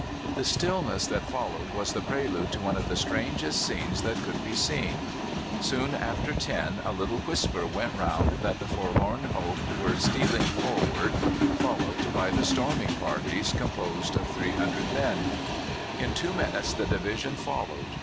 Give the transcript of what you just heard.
The stillness that followed was the prelude to one of the strangest scenes that could be seen. Soon after ten a little whisper went round that the forlorn hope were stealing forward, followed by the storming parties, composed of 300 men. In two minutes the division followed.